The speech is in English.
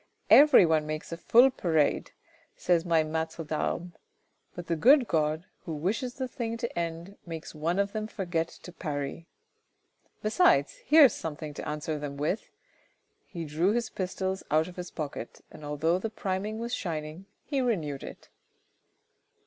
" Every one makes a full parade, says my niatre tTarmes, but the good God, who wishes the thing to end, makes one of them forget to parry. Besides, here's something to answer them with." He drew his pistols out of his pocket, and although the priming was shining, he renewed it.